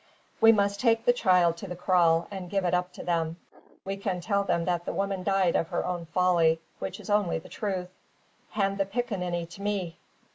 We must take the child to the kraal, and give it up to them. We can tell them that the woman died of her own folly, which is only the truth. Hand the piccaninny to me."